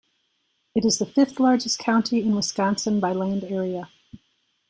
It is the fifth-largest county in Wisconsin by land area.